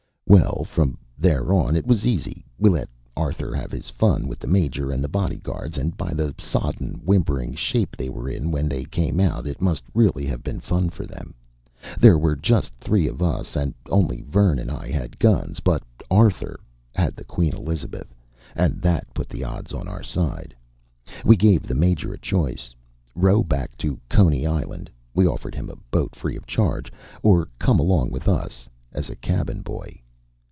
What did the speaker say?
Well, from there on, it was easy. We let Arthur have his fun with the Major and the bodyguards and by the sodden, whimpering shape they were in when they came out, it must really have been fun for him. There were just the three of us and only Vern and I had guns but Arthur had the Queen Elizabeth, and that put the odds on our side. We gave the Major a choice: row back to Coney Island we offered him a boat, free of charge or come along with us as cabin boy.